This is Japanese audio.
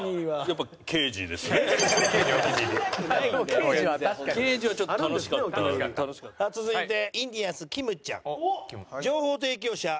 はい。